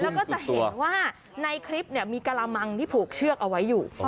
แล้วก็จะเห็นว่าในคลิปมีกระมังที่ผูกเชือกเอาไว้อยู่